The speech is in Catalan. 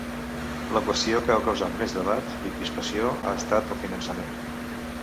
La qüestió que ha causat més debat i crispació ha estat el finançament.